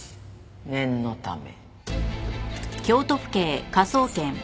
念のため。